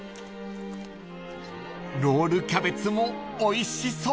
［ロールキャベツもおいしそう］